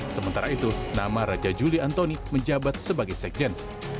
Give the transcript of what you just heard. sementara itu nama raja juli antoni menjabat sebagai sekjen